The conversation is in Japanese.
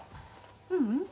ううん。